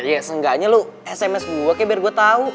ya seenggaknya lo sms gue kayak biar gue tau